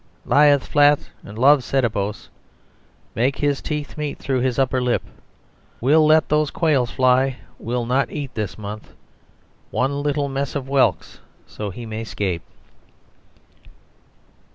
'Lieth flat and loveth Setebos! 'Maketh his teeth meet through his upper lip, Will let those quails fly, will not eat this month One little mess of whelks, so he may 'scape!"